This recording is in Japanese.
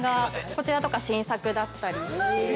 こちらとか新作だったりして。